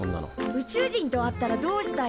宇宙人と会ったらどうしたい？